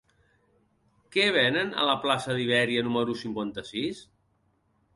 Què venen a la plaça d'Ibèria número cinquanta-sis?